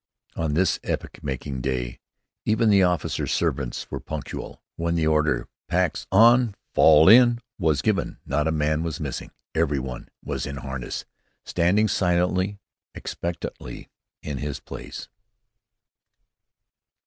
On this epoch marking day, even the officers' servants were punctual. When the order, "Packs on! Fall in!" was given, not a man was missing. Every one was in harness, standing silently, expectantly, in his place.